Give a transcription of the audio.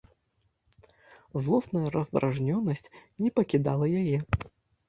Злосная раздражненасць не пакідала яе.